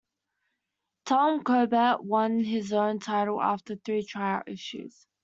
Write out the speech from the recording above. Tom Corbett won his own title after three tryout issues.